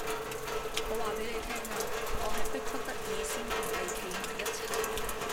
我話俾你聽啊，我係逼不得已先同你企埋一齊